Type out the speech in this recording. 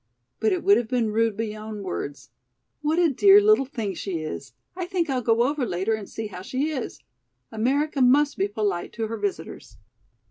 But it would have been rude beyond words. What a dear little thing she is! I think I'll go over later and see how she is. America must be polite to her visitors."